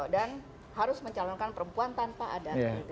dan harus mencalonkan perempuan tanpa adat